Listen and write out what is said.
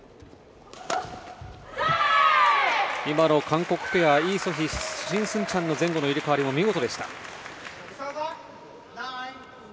今の韓国ペアイ・ソヒ、シン・スンチャンの前後の入れ替わりも見事でした。